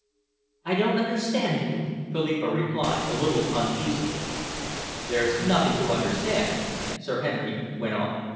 "I don't understand you," Philippa replied, a little uneasily. "There's nothing to understand," Sir Henry went on.